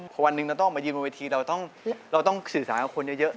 พอวันหนึ่งเราต้องออกมายืนบนเวทีเราต้องสื่อสารกับคนเยอะ